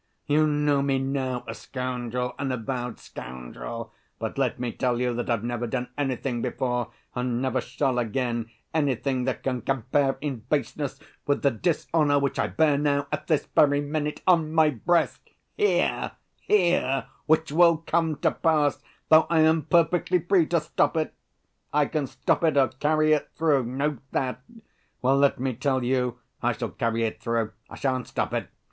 "You know me now, a scoundrel, an avowed scoundrel, but let me tell you that I've never done anything before and never shall again, anything that can compare in baseness with the dishonor which I bear now at this very minute on my breast, here, here, which will come to pass, though I'm perfectly free to stop it. I can stop it or carry it through, note that. Well, let me tell you, I shall carry it through. I shan't stop it.